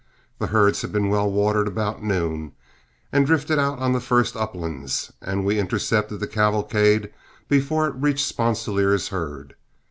The herds had been well watered about noon and drifted out on the first uplands, and we intercepted the cavalcade before it reached Sponsilier's herd.